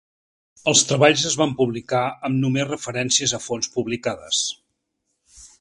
Els treballs es van publicar amb només referències a fonts publicades.